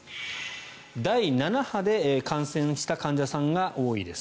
第７波で感染した患者さんが多いです。